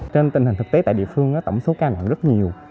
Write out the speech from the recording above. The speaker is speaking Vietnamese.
trên tình hình thực tế tại địa phương tổng số ca nặng rất nhiều